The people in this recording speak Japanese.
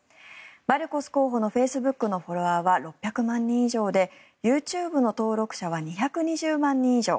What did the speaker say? マルコス候補のフェイスブックのフォロワーは６００万人以上でＹｏｕＴｕｂｅの登録者は２２０万人以上。